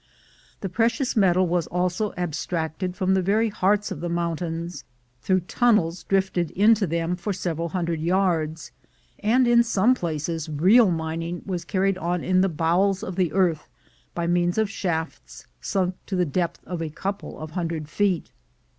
The precious metal was also abstracted from the very hearts of the mountains, through tun nels drifted into them for several hundred yards; and in some places real mining was carried on in the bowels of the earth by means of shafts sunk to the depth of a couple of hundred feet.